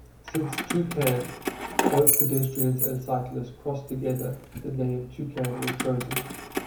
Since "two-can", both pedestrians and cyclists, cross together, the name "toucan" was chosen.